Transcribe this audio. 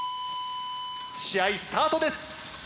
試合スタートです！